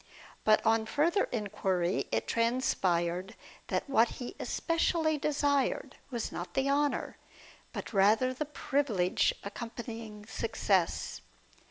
But on further inquiry it transpired that what he especially desired, was not the honour, but rather the privilege accompanying success.